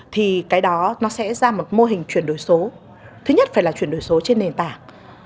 thì cái đó nó sẽ ra một mô hình chuyển đổi số thứ nhất phải là chuyển đổi số trên nền tảng